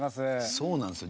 そうなんですよ。